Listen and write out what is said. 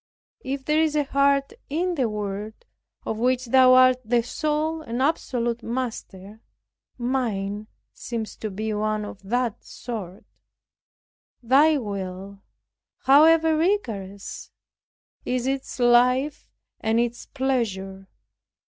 If there is a heart in the world of which Thou art the sole and absolute master, mine seems to be one of that sort. Thy will, however rigorous, is its life and its pleasure.